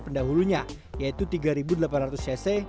pendahulunya yaitu tiga delapan ratus cc